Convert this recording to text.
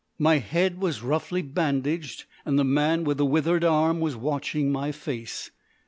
My head was roughly bandaged, and the man with the withered arm was watching my face.